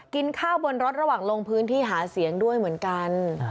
กินข้าวบนรถระหว่างลงพื้นที่หาเสียงด้วยเหมือนกัน